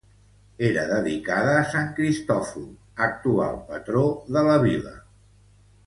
Era dedicada a Sant Cristòfol, actual patró de la vila.